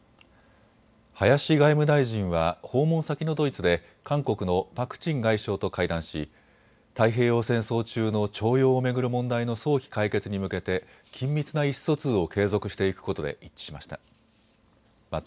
林外務大臣は訪問先のドイツで韓国のパク・チン外相と会談し太平洋戦争中の徴用を巡る問題の早期解決に向けて緊密な意思疎通を継続していくことで一致しました。